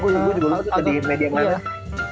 iya gue juga luar biasa